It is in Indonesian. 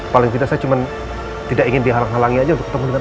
paling tidak saya cuma tidak ingin dihalang halangi aja untuk ketemu dengan